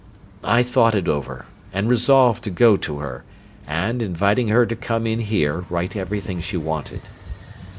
I thought it over, and resolved to go to her, and, inviting her to come in here, write everything she wanted.